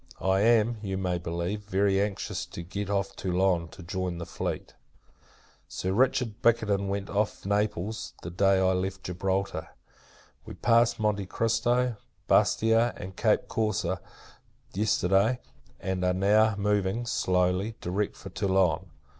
I am, you may believe, very anxious to get off Toulon, to join the fleet. Sir Richard Bickerton went from off Naples, the day I left Gibraltar. We passed Monte Christo, Bastia, and Cape Corse, yesterday; and are now moving, slowly, direct for Toulon.